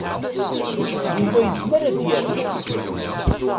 Yuba yezmer ad d-yerr.